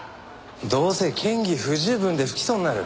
どうせ嫌疑不十分で不起訴になる。